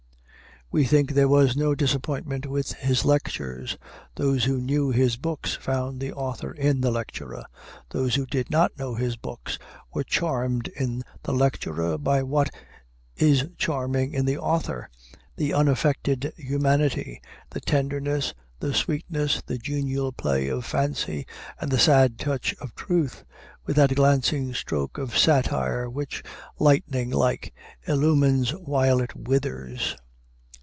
We think there was no disappointment with his lectures. Those who knew his books found the author in the lecturer. Those who did not know his books were charmed in the lecturer by what is charming in the author the unaffected humanity, the tenderness, the sweetness, the genial play of fancy, and the sad touch of truth, with that glancing stroke of satire which, lightning like, illumines while it withers.